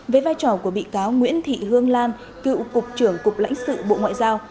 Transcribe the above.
với vai trò của bị cáo nguyễn thị hương lan cựu cục trưởng cục lãnh sự bộ ngoại giao